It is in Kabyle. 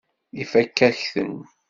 Ifakk-ak-ten.